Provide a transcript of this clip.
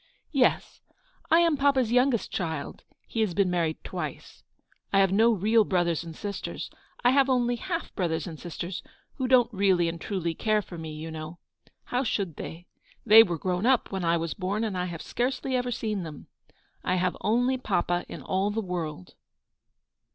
"Yes, I am papa's youngest child. He has been married twice. I have no real brothers and sisters. I have only half brothers and sisters, who don't really and truly care for me, you know. How should they ? They were grown up when I was born, and I have scarcely ever seen them. I have only papa in all the world."